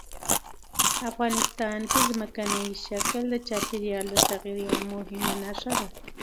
افغانستان کې ځمکنی شکل د چاپېریال د تغیر یوه مهمه نښه ده.